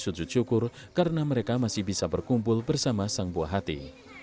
sujud syukur karena mereka masih bisa berkumpul bersama sang buah hati